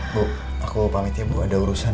bu aku mau pamit ya bu ada urusan